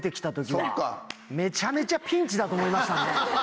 めちゃめちゃピンチだと思いましたね。